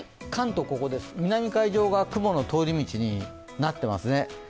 関東、ここで、南海上が雲の通り道になっていますね。